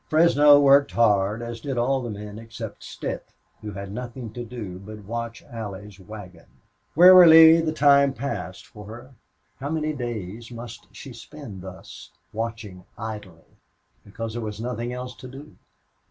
Fresno worked hard, as did all the men except Stitt, who had nothing to do but watch Allie's wagon. Wearily the time passed for her. How many days must she spend thus, watching idly, because there was nothing else to do?